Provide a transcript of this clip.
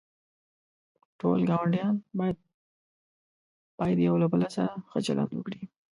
ټول گاونډیان باید یوله بل سره ښه چلند وکړي.